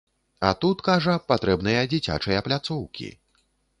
А тут, кажа, патрэбныя дзіцячыя пляцоўкі.